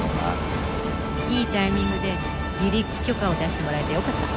いいタイミングで離陸許可を出してもらえてよかった。